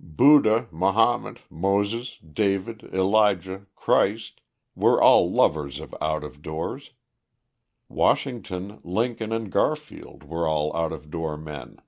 Buddha, Mahomet, Moses, David, Elijah, Christ, were all lovers of out of doors. Washington, Lincoln, and Garfield were all out of door men.